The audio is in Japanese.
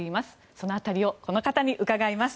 その辺りをこの方に伺います。